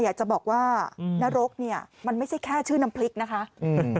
อยากจะบอกว่านรกเนี่ยมันไม่ใช่แค่ชื่อน้ำพริกนะคะอืม